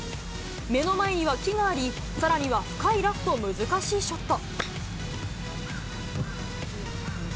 目の前には木があり、さらには深いラフと難しいショット。